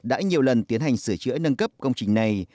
hồ chứa phù mỹ đã nhiều lần tiến hành sửa chữa nâng cấp công trình này